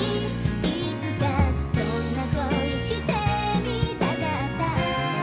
「いつかそんな恋してみたかった」